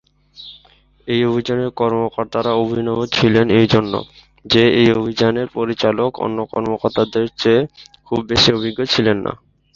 এই অভিযানের কর্মকর্তারা অভিনব ছিলেন এই জন্য, যে এই অভিযানের পরিচালক অন্য কর্মকর্তাদের চেয়ে খুব বেশি অভিজ্ঞ ছিলেন না।